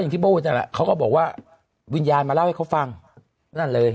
ที่พูดนั่นแหละเขาก็บอกว่าวิญญาณมาเล่าให้เขาฟังนั่นเลย